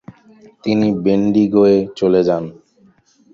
তিনি বেন্ডিগোয় চলে যান।